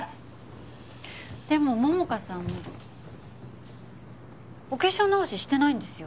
でも桃花さんお化粧直ししてないんですよ。